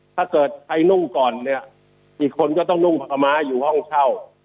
ถ้าเกิดใครนุ่งก่อนเนี่ยอีกคนก็ต้องนุ่งผลไม้อยู่ห้องเช่า